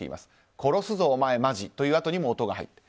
殺すぞお前マジというあとにまた音が入っている。